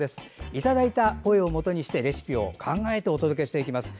いただいた声をもとにしてレシピを考えていきます。